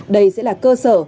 đây sẽ là cơ sở